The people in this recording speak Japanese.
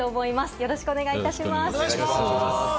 よろしくお願いします。